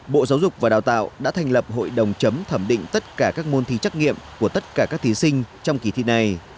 bộ giáo dục và đào tạo đã thành lập hội đồng chấm thẩm định tất cả các môn thi trắc nghiệm của tất cả các thí sinh trong kỳ thi này